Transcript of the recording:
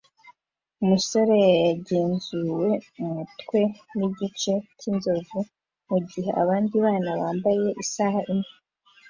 Umusore yagenzuwe umutwe nigice cyinzovu mugihe abandi bana bambaye isaha imwe